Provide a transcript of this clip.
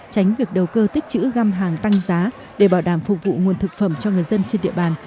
tránh việc đầu cơ tích chữ găm hàng tăng giá để bảo đảm phục vụ nguồn thực phẩm cho người dân trên địa bàn